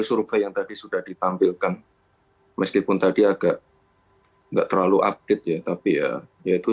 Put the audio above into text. survei yang tadi sudah ditampilkan meskipun tadi agak enggak terlalu update ya tapi ya yaitu